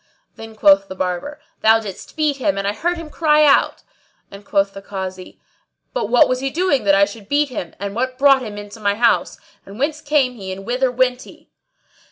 Then quoth the Barber, "Thou didst beat him and I heard him cry out;" and quoth the Kazi, "But what was he doing that I should beat him, and what brought him in to my house; and whence came he and whither went he?"